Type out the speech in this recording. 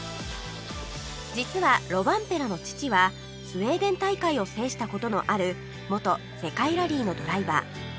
実はロバンペラの父はスウェーデン大会を制した事のある元世界ラリーのドライバー